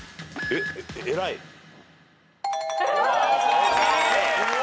正解。